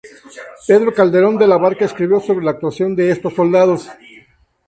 Pedro Calderón de la Barca escribo sobre la actuación de estos soldados.